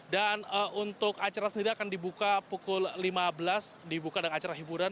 dan untuk acara sendiri akan dibuka pukul lima belas dibuka dengan acara hiburan